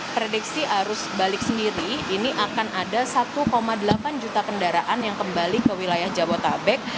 prediksi arus balik sendiri ini akan ada satu delapan juta kendaraan yang kembali ke wilayah jabodetabek